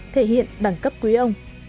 thể hiện đẳng cấp quý ông